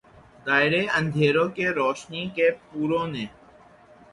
دائرے اندھیروں کے روشنی کے پوروں نے